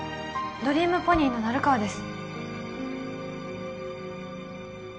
ドリームポニーの成川です